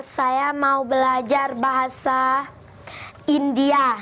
saya mau belajar bahasa india